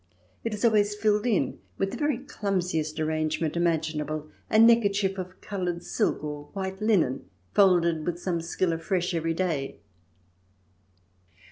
It is always filled in with the very clumsiest arrange ment imaginable, a neckerchief of coloured silk or white linen, folded with some skill afresh every day.